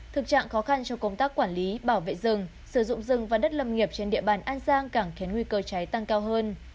thực trạng khó khăn trong công tác quản lý bảo vệ rừng sử dụng rừng và đất lâm nghiệp trên địa bàn an giang càng khiến nguy cơ cháy tăng cao hơn